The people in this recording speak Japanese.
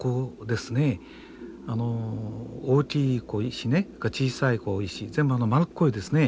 あの大きい石小さい石全部丸っこいですね。